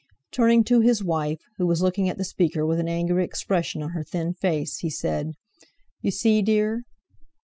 Turning to his wife, who was looking at the speaker with an angry expression on her thin face, he said: "You see, dear?"